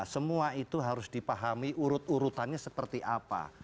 semua itu harus dipahami urut urutannya seperti apa